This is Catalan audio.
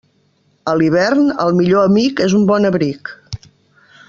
A l'hivern, el millor amic és un bon abric.